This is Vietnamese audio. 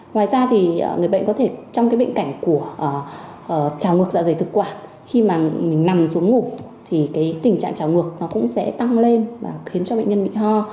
ngoài ra thì người bệnh có thể trong cái bệnh cảnh của chả mực dạ dày thực quản khi mà mình nằm xuống ngủ thì cái tình trạng chảo ngược nó cũng sẽ tăng lên và khiến cho bệnh nhân bị ho